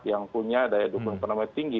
yang punya daya dukungan penuhnya tinggi